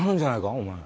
お前。